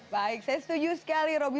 baik saya setuju sekali roby